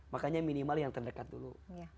makanya minimal yang terdekat dulu